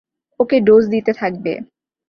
ওকে dose দিতে থাকবে।